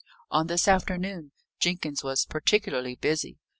On this afternoon, Jenkins was particularly busy.